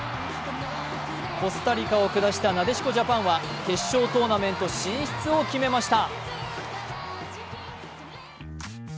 コスタリカを下したなでしこジャパンは決勝トーナメント進出を決めました。